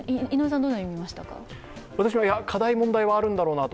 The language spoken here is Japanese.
私は課題、問題はあるんだろうなと。